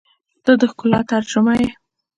• ته د ښکلا ترجمه یې.